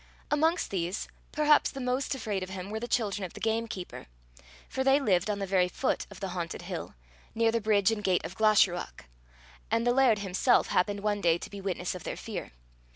Amongst these, perhaps the most afraid of him were the children of the gamekeeper, for they lived on the very foot of the haunted hill, near the bridge and gate of Glashruach; and the laird himself happened one day to be witness of their fear.